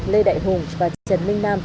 lê đại hùng và trần minh nam